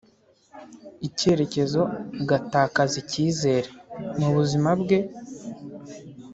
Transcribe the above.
icyerekezo agatakaza icyizere. Mubuzima bwe